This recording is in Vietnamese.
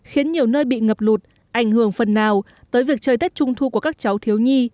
khiến nhiều nơi bị ngập lụt ảnh hưởng phần nào tới việc chơi tết trung thu của các cháu thiếu nhi